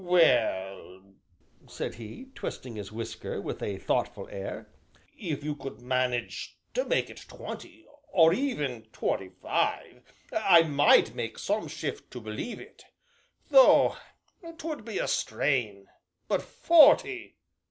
"Well," said he, twisting his whisker with a thoughtful air, "if you could manage to mak' it twenty or even twenty five, I might mak' some shift to believe it though 'twould be a strain, but forty!